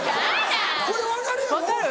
これ分かるやろ？